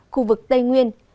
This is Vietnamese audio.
khu vực tây nguyên